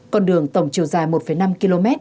con đường tổng chiều dài một năm km